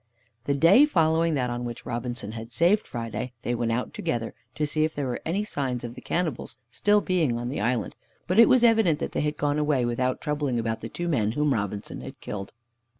The day following that on which Robinson had saved Friday, they went out together to see if there were any signs of the cannibals still being on the island, but it was evident that they had gone away without troubling about the two men whom Robinson had killed.